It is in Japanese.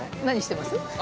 何してます？